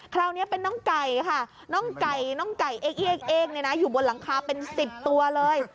คราวนี้เป็นน้องไก่ค่ะน้องไก่น้องไก่เอกอยู่บนหลังคาเป็น๑๐ตัวเลย